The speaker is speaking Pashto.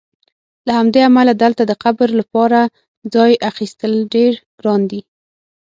له همدې امله دلته د قبر لپاره ځای اخیستل ډېر ګران دي.